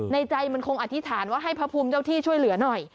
ใจมันคงอธิษฐานว่าให้พระภูมิเจ้าที่ช่วยเหลือหน่อย